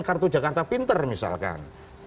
kartu jakarta pinter misalkan